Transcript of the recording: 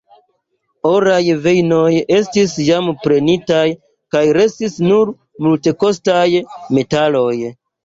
Oraj vejnoj estis jam prenitaj kaj restis nur multekostaj metaloj.